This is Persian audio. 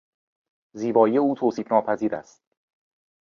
زیبایی او توصیفناپذیر است.